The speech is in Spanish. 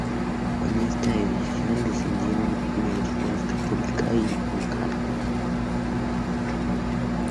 En esta edición descendieron Universidad Católica y Macará.